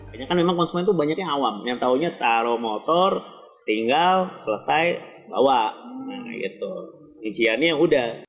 banyaknya kan konsumen itu awam yang tahunya taruh motor tinggal selesai bawa nah itu inciannya udah